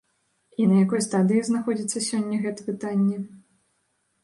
І на якой стадыі знаходзіцца сёння гэта пытанне?